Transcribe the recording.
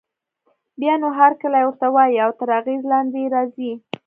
بيا نو هرکلی ورته وايي او تر اغېز لاندې يې راځي.